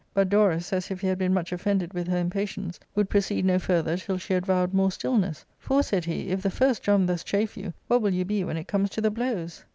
But Dorus, as if he had been much offended with her impatience, would proceed no further till she had vowed more stillness. For," said he, " if the first drum thus chafe you, what will you be when it comes to the blows